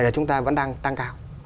là chúng ta vẫn đang tăng cao